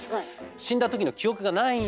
死んだ時の記憶がないんですが。